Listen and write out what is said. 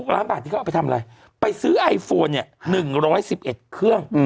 ล้านบาทที่เขาเอาไปทำอะไรไปซื้อไอโฟนเนี่ย๑๑๑เครื่อง